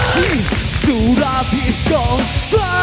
ที่สุราพิษของฟ้าย